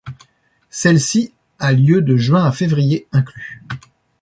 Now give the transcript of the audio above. Celle-ci a lieu de juin à février inclus.